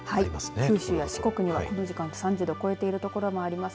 九州や四国はこの時間３０度を超えている所もあります